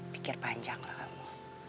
pikir panjang lah kamu